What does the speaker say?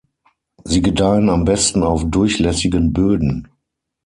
Sie gedeihen am besten auf durchlässigen Böden.